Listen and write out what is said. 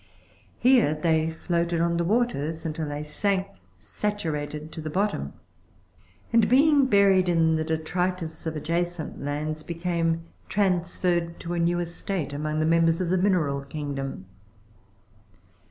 . Here they floated on the waters, until they sank saturated to the bottom, and being buried in the detritus of adjacent lands, became transferred to a new estate among the members of the mineral kingdom.